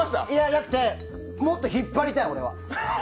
じゃなくてもっと引っ張りたい、俺は。